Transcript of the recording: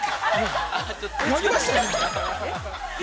◆やりましたね。